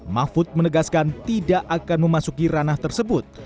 mahfud menegaskan tidak akan memasuki ranah tersebut